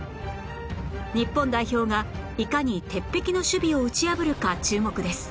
日本代表がいかに鉄壁の守備を打ち破るか注目です